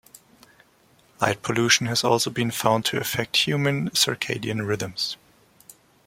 Light pollution has also been found to affect human circadian rhythms.